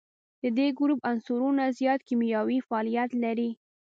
د دې ګروپ عنصرونه زیات کیمیاوي فعالیت لري.